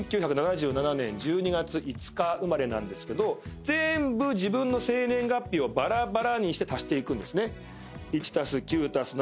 僕１９７７年１２月５日生まれなんですけど全部自分の生年月日をバラバラにして足していくんです。